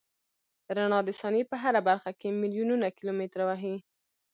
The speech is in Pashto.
رڼا د ثانیې په هره برخه کې میلیونونه کیلومتره وهي.